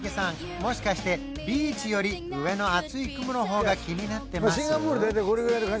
もしかしてビーチより上の厚い雲の方が気になってます？